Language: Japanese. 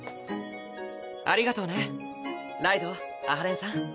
ありがとうねライドウ阿波連さん。